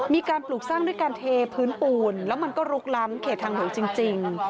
ปลูกสร้างด้วยการเทพื้นปูนแล้วมันก็ลุกล้ำเขตทางหลวงจริง